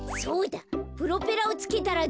プロペラをつけたらどう？